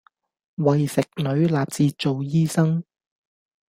為食女立志做醫生